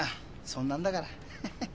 そんなんだから。